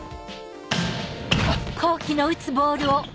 あっ！